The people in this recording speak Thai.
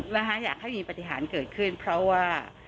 นะคะอยากให้มีปฏิหารเกิดขึ้นเพราะว่า